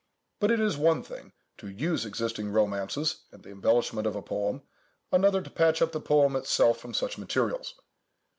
But it is one thing to use existing romances in the embellishment of a poem, another to patch up the poem itself from such materials.